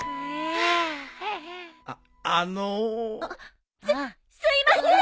・あっあのう。あっ！すすいません。